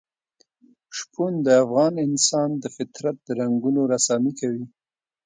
شپون د افغان انسان د فطرت د رنګونو رسامي کوي.